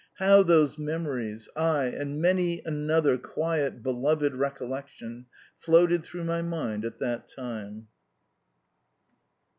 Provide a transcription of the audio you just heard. How those memories aye, and many another quiet, beloved recollection floated through my mind at that time!